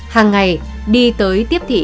hàng ngày đi tới tiếp thị